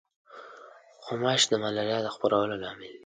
غوماشې د ملاریا د خپرولو لامل دي.